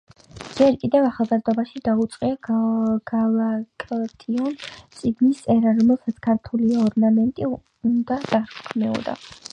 ჯერ კიდევ ახალგაზრდობაში დაუწყია გალაკტიონს წიგნის წერა, რომელსაც „ქართული ორნამენტი“ უნდა დარქმეოდა.